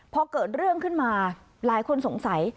พอเกิดเรื่องขึ้นมาหลายคนสงสัย